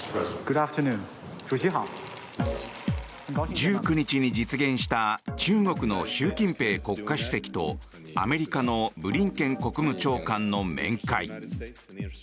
１９日に実現した中国の習近平国家主席とアメリカのブリンケン国務長官の面会。